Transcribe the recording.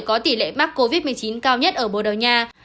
có tỷ lệ mắc covid một mươi chín cao nhất ở bồ đào nha